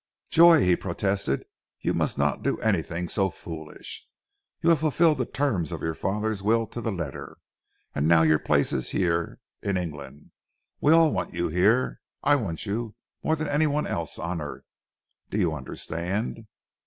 "Joy," he protested, "you must not do anything so foolish. You have fulfilled the terms of your father's will to the letter, and now your place is here in England. We all want you here! I want you more than any one else on earth. Do you understand?"